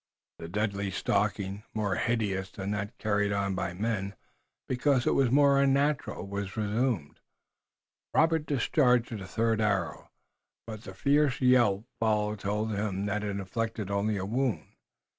The deadly stalking, more hideous than that carried on by men, because it was more unnatural, was resumed. Robert discharged a third arrow, but the fierce yelp following told him that he had inflicted only a wound.